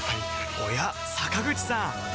おや坂口さん